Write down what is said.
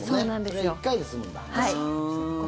それが１回で済むんだ。